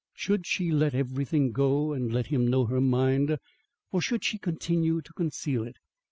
Should she let everything go and let him know her mind, or should she continue to conceal it?